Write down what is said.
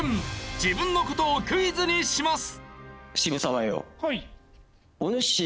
自分の事をクイズにします。